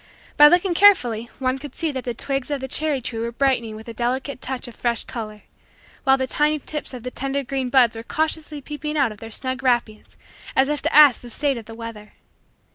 By looking carefully, one could see that the twigs of the cherry tree were brightening with a delicate touch of fresh color, while the tiny tips of the tender green buds were cautiously peeping out of their snug wrappings as if to ask the state of the weather.